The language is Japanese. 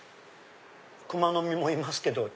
クマノミもいますけど。